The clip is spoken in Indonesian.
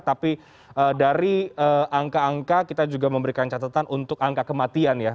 tapi dari angka angka kita juga memberikan catatan untuk angka kematian ya